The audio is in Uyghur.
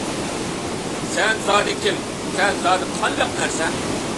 -سەن زادى كىم؟ سەن زادى قانداق نەرسە؟ !